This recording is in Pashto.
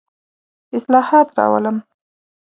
اصلاحات راولم.